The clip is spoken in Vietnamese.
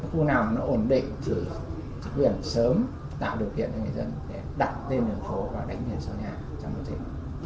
khu nào nó ổn định thì quyền sớm tạo được hiện đại dân để đặt tên đường phố và đánh biển số nhà cho mọi người